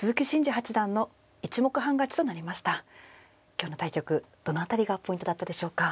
今日の対局どの辺りがポイントだったでしょうか。